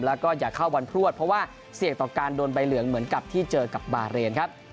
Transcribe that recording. แล้วก็อย่าเข้าวันพลวดเพราะว่าเสี่ยงต่อการโดนใบเหลืองเหมือนกับที่เจอกับบาเรนครับ